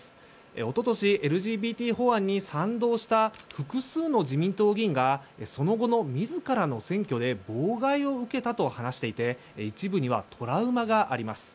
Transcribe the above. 一昨年、ＬＧＢＴ法案に賛同した複数の自民党議員がその後の自らの選挙で妨害を受けたと話していて一部にはトラウマがあります。